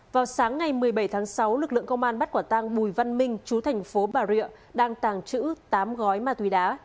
vào sáng ngày một mươi bảy tháng sáu lực lượng công an bắt quả tăng bùi văn minh chú thành phố bà rịa đang tàng trữ tám gói ma túy đá